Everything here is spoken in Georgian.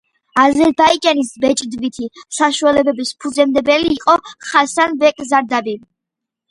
აზერბაიჯანის ბეჭდვითი საშუალებების ფუძემდებელი იყო ხასან ბეკ ზარდაბი.